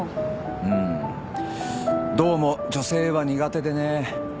うんどうも女性は苦手でね。